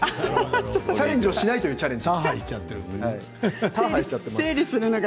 チャレンジはしないというチャレンジ。